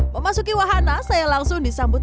memasuki wahana saya langsung disambut